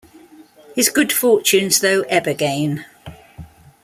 His good fortunes, though, ebb again.